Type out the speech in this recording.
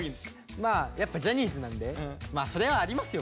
まあやっぱジャニーズなんでそれはありますよ